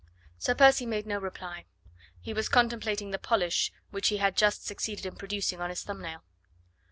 Sir Percy made no reply. He was contemplating the polish which he had just succeeded in producing on his thumbnail.